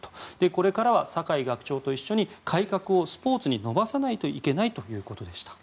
これからは酒井学長と一緒に改革をスポーツに伸ばさないといけないということでした。